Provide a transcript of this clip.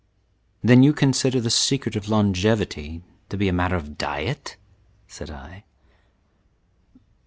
"Then you consider the secret of longevity to be a matter of diet?" said I.